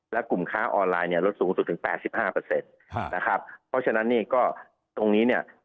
และกลุ่มค้าออนไลน์เนี่ยลดสูงสุดถึงแปดสิบห้าเปอร์เซ็นต์นะครับเพราะฉะนั้นเนี่ยก็ตรงนี้เนี่ย